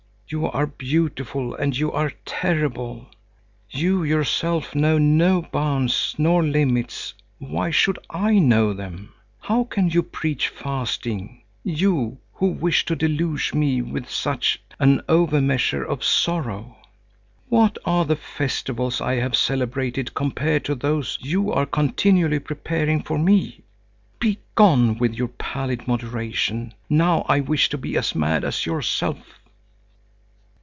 You are beautiful, and you are terrible. You yourself know no bounds nor limits; why should I know them? How can you preach fasting, you, who wish to deluge me with such an overmeasure of sorrow? What are the festivals I have celebrated compared to those you are continually preparing for me! Begone with your pallid moderation! Now I wish to be as mad as yourself."